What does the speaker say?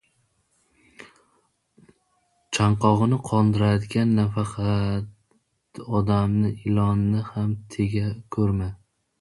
• Chanqog‘ini qondirayotganda nafaqat odamni, ilonni ham tega ko‘rma.